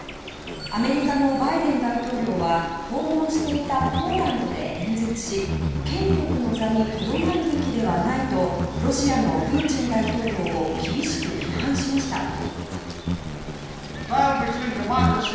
アメリカのバイデン大統領は訪問していたポーランドで演説し権力の座にとどまるべきではないとロシアのプーチン大統領を厳しく批判しました。